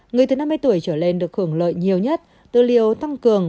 người từ năm mươi tuổi trở lên được hưởng lợi nhiều nhất từ liều tăng cường